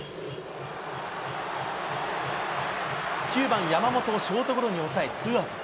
９番山本をショートゴロに抑え、ツーアウト。